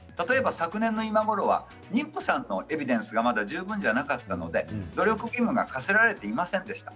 昨年の今ごろは妊婦さんのエビデンスが十分ではなかったので努力義務が課せられていませんでした。